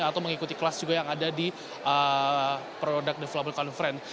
atau mengikuti kelas juga yang ada di product develobble conference